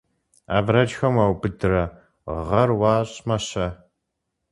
Абрэджхэм уаубыдрэ гъэр уащӀмэ-щэ?